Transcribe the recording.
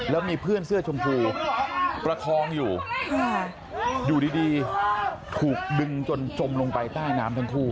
แล้วมีเพื่อนเสื้อชมพูประคองอยู่อยู่ดีถูกดึงจนจมลงไปใต้น้ำทั้งคู่